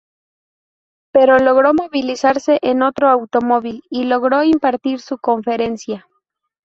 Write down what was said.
Pero logró movilizarse en otro automóvil y logró impartir su conferencia.